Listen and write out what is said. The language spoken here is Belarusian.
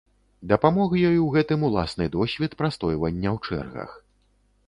Дапамог ёй у гэтым уласны досвед прастойвання ў чэргах.